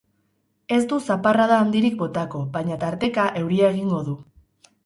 Ez du zaparrada handirik botako, baina tarteka euria egingo du.